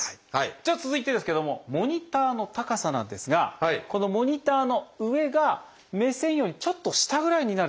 じゃあ続いてですけれどもモニターの高さなんですがこのモニターの上が目線よりちょっと下ぐらいになるといいということです。